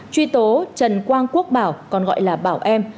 truy tố trần quang quốc bảo còn gọi là bảo em